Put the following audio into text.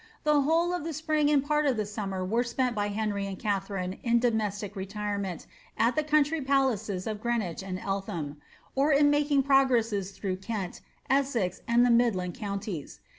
The whole of the spring and part of the summer were spent by Henry and Katharine in domestic retirement, at the country palaces of Greenwich and Eltham, or in HMking progresses through Kent, Essex, and the midland counties.